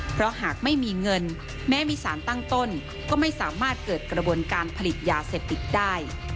เพราะหากไม่มีเงินแม้มีสารตั้งต้นก็ไม่สามารถเกิดกระบวนการผลิตยาเสพติดได้